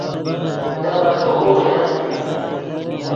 دے غیݰے ہوغ لیغت ڤی